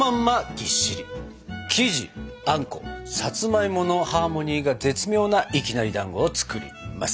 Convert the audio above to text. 生地あんこさつまいものハーモニーが絶妙ないきなりだんごを作ります！